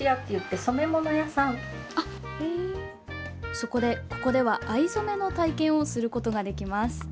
そこで、ここでは藍染めの体験をすることができます。